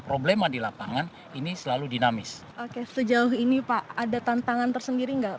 problema di lapangan ini selalu dinamis oke sejauh ini pak ada tantangan tersendiri enggak